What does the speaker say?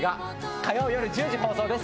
火曜夜１０時放送です。